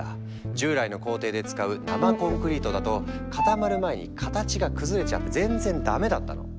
従来の工程で使う生コンクリートだと固まる前に形が崩れちゃって全然ダメだったの。